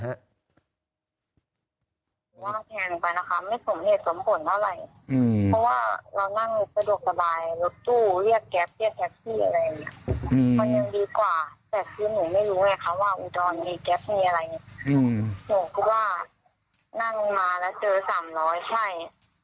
อืมจากบ้านเราอย่างรถบุรีไปกรุงเทพฯเท่าไหร่